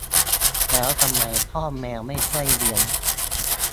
แล้วทำไมพ่อแมวไม่ช่วยเลี้ยง